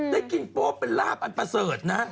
ได้กินโป๊เป็นลาบอันประเสริฐนะ